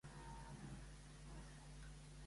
Per què no podien contendre en aquells moments?